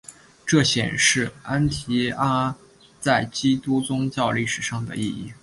这显示安提阿在基督宗教历史上的意义。